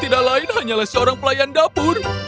tidak lain hanyalah seorang pelayan dapur